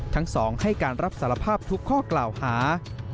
ทั้งสองให้การรับสารภาพทุกข้อกล่าวหา